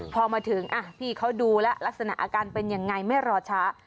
พอมาถึงพี่เขาดูแล้วลักษณะอาการเป็นยังไงไม่รอช้า